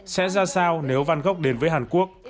sẽ ra sao nếu van gogh đến với hàn quốc